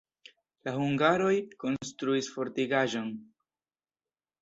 La hungaroj konstruis fortikaĵon.